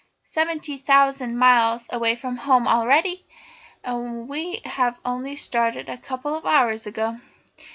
"Seventy thousand miles away from home already, and we only started a couple of hours ago!"